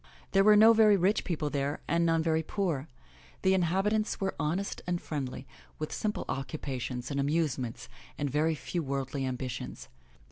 There were no very rich people there and none very poor. The inhabi tants were honest and friendly, with simple occupations and amuse ments and very few worldly ambitions.